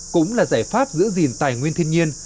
cũng là giải pháp giữ gìn tài nguyên thiên nhiên